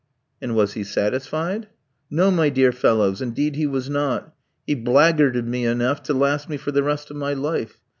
"And was he satisfied?" "No, my dear fellows, indeed he was not; he blackguarded me enough to last me for the rest of my life.